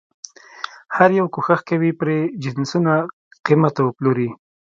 هر یو کوښښ کوي پرې جنسونه قیمته وپلوري.